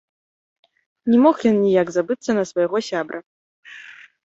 Не мог ён ніяк забыцца на свайго сябра.